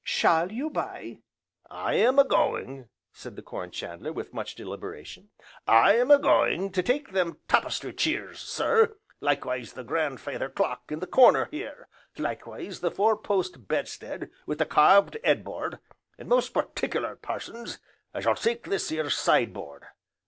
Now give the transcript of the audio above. "Shall you buy?" "I am a going," said the Corn chandler with much deliberation, "I am a going to take them tapestry cheers, sir, likewise the grand feyther clock in the corner here, likewise the four post bed stead wi' the carved 'ead board, and most particular, Parsons, I shall take this here side board.